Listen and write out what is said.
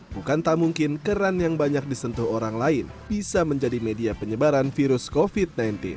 bukan tak mungkin keran yang banyak disentuh orang lain bisa menjadi media penyebaran virus covid sembilan belas